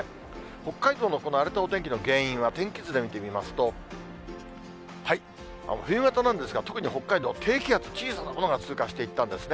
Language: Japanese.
北海道のこの荒れたお天気の原因を天気図で見てみますと、冬型なんですが、特に北海道は低気圧、小さなものが通過していったんですね。